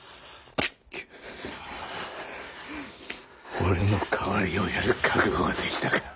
俺の代わりをやる覚悟ができたか。